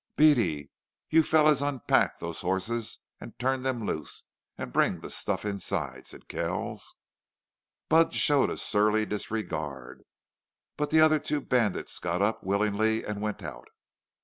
"Beady, you fellows unpack those horses and turn them loose. And bring the stuff inside," said Kells. Budd showed a surly disregard, but the other two bandits got up willingly and went out.